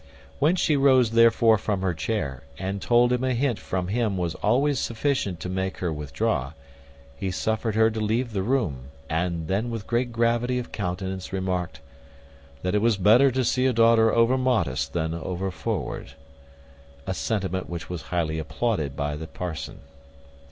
When she rose therefore from her chair, and told him a hint from him was always sufficient to make her withdraw, he suffered her to leave the room, and then with great gravity of countenance remarked, "That it was better to see a daughter over modest than over forward;" a sentiment which was highly applauded by the parson.